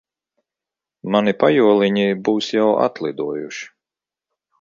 Mani pajoliņi būs jau atlidojuši.